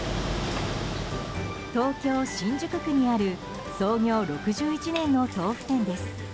東京・新宿区にある創業６１年の豆腐店です。